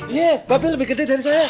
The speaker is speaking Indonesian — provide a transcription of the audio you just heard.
iya tapi lebih gede dari saya